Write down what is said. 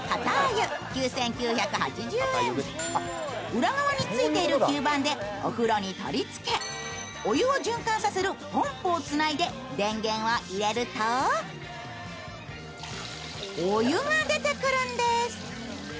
裏側についている吸盤でお風呂に取り付け、お湯を循環させるポンプをつないで、電源を入れるとお湯が出てくるんです。